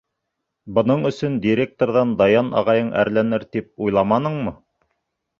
Бының өсөн директорҙан Даян ағайың әрләнер тип уйламаныңмы?